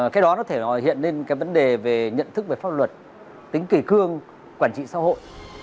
cái đó có thể hiện lên cái vấn đề về nhận thức về pháp luật tính kỳ cương quản trị xã hội